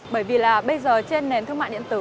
bởi vì là bây giờ trên nền thương mại điện tử